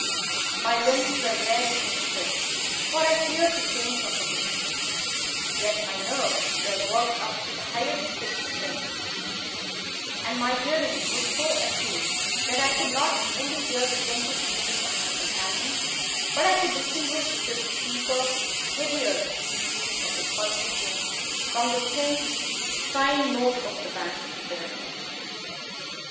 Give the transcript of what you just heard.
My limbs were weary and stiff, for I feared to change my position; yet my nerves were worked up to the highest pitch of tension, and my hearing was so acute that I could not only hear the gentle breathing of my companions, but I could distinguish the deeper, heavier in breath of the bulky Jones from the thin, sighing note of the bank director.